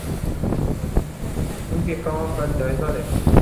اُن کے کام کا جائزہ لیتے ہیں